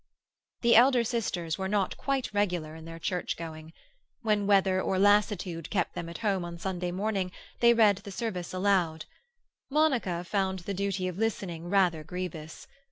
The elder sisters were not quite regular in their church going. When weather or lassitude kept them at home on Sunday morning they read the service aloud. Monica found the duty of listening rather grievous.